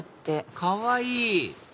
かわいい！